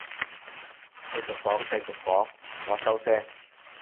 繼續講繼續講，我收聲